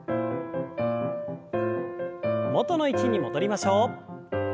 元の位置に戻りましょう。